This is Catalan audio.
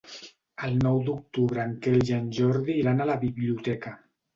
El nou d'octubre en Quel i en Jordi iran a la biblioteca.